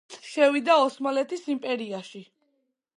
ის შევიდა ოსმალეთის იმპერიაში.